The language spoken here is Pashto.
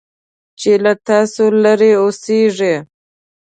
چې له تاسو لرې اوسيږي .